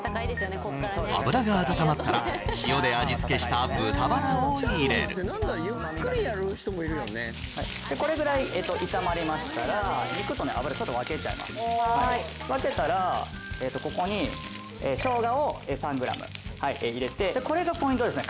油が温まったら塩で味付けした豚バラを入れるこれぐらい炒まりましたら分けたらここにしょうがを３ｇ入れてこれがポイントですね